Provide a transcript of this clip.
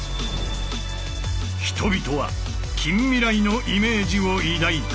人々は近未来のイメージを抱いた。